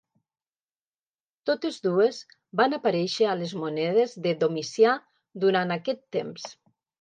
Totes dues van aparèixer a les monedes de Domicià durant aquest temps.